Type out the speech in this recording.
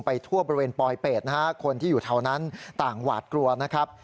ทั่วบริเวณปลอยเป็ดนะฮะคนที่อยู่แถวนั้นต่างหวาดกลัวนะครับ